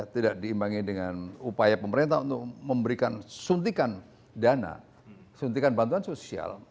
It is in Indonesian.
tidak diimbangi dengan upaya pemerintah untuk memberikan suntikan dana suntikan bantuan sosial